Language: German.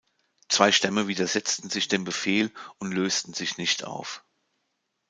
Zwei Stämme widersetzten sich dem Befehl und lösten sich nicht auf.